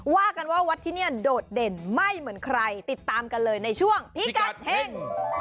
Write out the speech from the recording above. ว่ากันว่าวัดที่นี่โดดเด่นไม่เหมือนใครติดตามกันเลยในช่วงพิกัดเฮ่ง